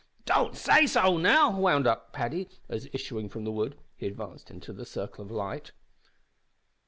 Don't say so, now!" wound up Paddy as, issuing from the wood, he advanced into the circle of light.